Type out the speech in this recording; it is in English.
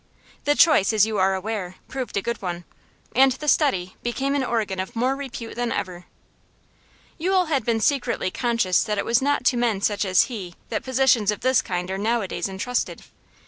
The choice, as you are aware, proved a good one, and The Study became an organ of more repute than ever. Yule had been secretly conscious that it was not to men such as he that positions of this kind are nowadays entrusted.